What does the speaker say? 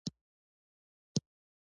د نورو واضح تصویر نه و